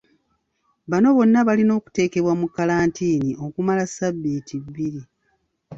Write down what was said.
Bano bonna balina okuteekebwa mu kalantiini okumala sabbiiti bbiri.